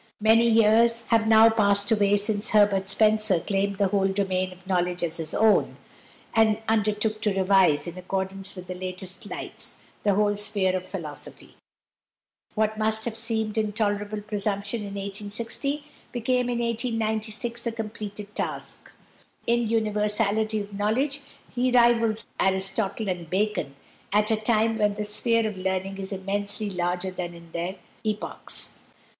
Many years have now passed away since Herbert Spencer claimed the whole domain of knowledge as his own, and undertook to revise, in accordance with the latest lights, the whole sphere of philosophy. What must have seemed intolerable presumption in 1860 became in 1896 a completed task. In universality of knowledge he rivals Aristotle and Bacon at a time when the sphere of learning is immensely larger than in their epochs.